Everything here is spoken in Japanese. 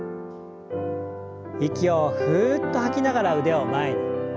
息をふっと吐きながら腕を前に。